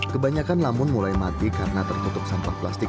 kebanyakan lamun mulai mati karena tertutup sampah plastik